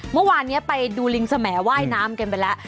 เมื่อวานนี้ไปดูลิงสมว่ายน้ำกันไปแล้ว